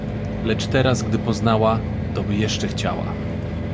Lecz teraz gdy poznała, to by jeszcze chciała